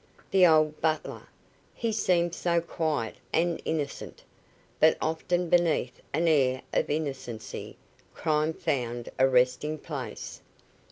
The old butler! He seemed so quiet and innocent! But often beneath an air of innocency, crime found a resting place.